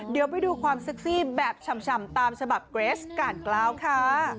เดี๋ยวไปดูความเซ็กซี่แบบฉ่ำตามฉบับเกรสก่านกล้าวค่ะ